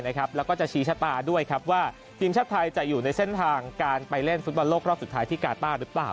แล้วก็จะชี้ชะตาด้วยว่าทีมชาติไทยจะอยู่ในเส้นทางการไปเล่นฟุตบอลโลกรอบสุดท้ายที่กาต้าหรือเปล่า